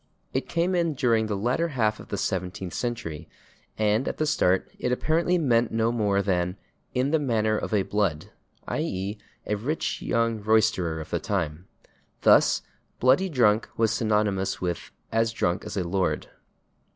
It came in during the latter half of the seventeenth century, and at the start it apparently meant no more than "in the manner of a blood," /i. e./, a rich young roisterer of the time. Thus, /bloody drunk/ was synonymous with as /drunk as a lord